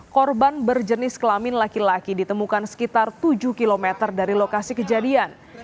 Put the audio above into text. korban berjenis kelamin laki laki ditemukan sekitar tujuh km dari lokasi kejadian